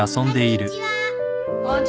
こんにちは。